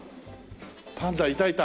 パンダいたいた！